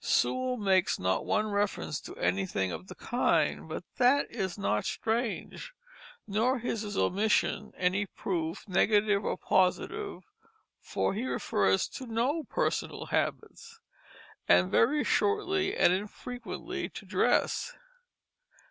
Sewall makes not one reference to anything of the kind, but that is not strange; nor is his omission any proof, negative or positive, for he refers to no personal habits, and very shortly and infrequently to dress.